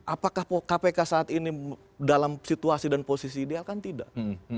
apakah kpk saat ini dalam situasi dan posisi ideal kan tidak